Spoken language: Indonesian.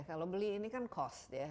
kalau beli ini kan cost ya